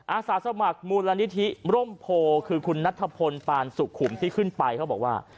อาสาสมัครมูลนิธิร่มโพคือคุณนัทพลปานสุขุมที่ขึ้นไปเขาบอกว่า